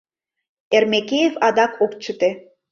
Эрмекеев адак ок чыте.